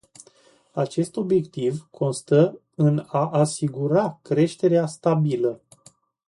Acest obiectiv constă în a asigura creștere stabilă.